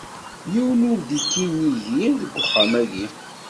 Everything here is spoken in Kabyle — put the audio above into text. Yiwen ur d-ikki nnig-i deg wexxam-agi.